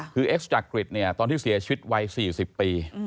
คือเอ็กซ์จักริตเนี่ยตอนที่เสียชีวิตวัย๔๐ปี